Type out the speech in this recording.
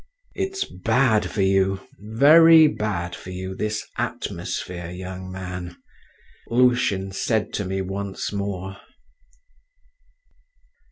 "It's bad for you, very bad for you, this atmosphere, young man," Lushin said to me once more.